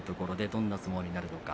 どんな相撲になるのか。